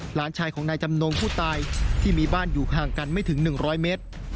หลานชายของนายจำนงผู้ตายที่มีบ้านอยู่ห่างกันไม่ถึง๑๐๐เมตร